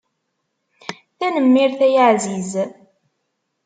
Tanemmirt a aɛziz.